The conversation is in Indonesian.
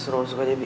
suruh masuk aja bik